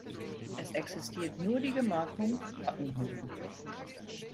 Es existiert nur die Gemarkung Ottenhofen.